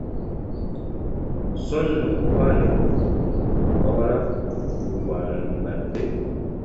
So nno oba ne ku bawala bwe gwalibadde!